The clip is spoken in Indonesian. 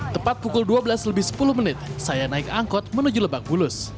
tepat pukul dua belas lebih sepuluh menit saya naik angkot menuju lebak bulus